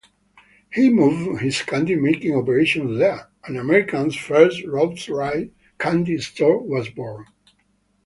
He moved his candy-making operations there, and America's First Roadside Candy Store was born.